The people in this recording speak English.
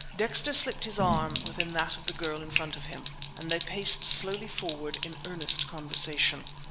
Dexter slipped his arm within that of the girl in front of him and they paced slowly forward in earnest conversation.